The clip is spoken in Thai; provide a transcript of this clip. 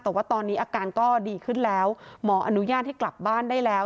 แต่ว่าตอนนี้อาการก็ดีขึ้นแล้วหมออนุญาตให้กลับบ้านได้แล้ว